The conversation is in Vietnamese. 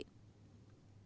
chính phủ ấn độ